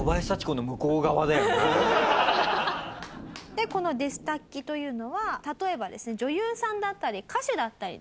でこのデスタッキというのは例えばですね女優さんだったり歌手だったりですね